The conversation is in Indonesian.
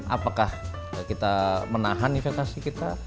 apakah kita menahan investasi kita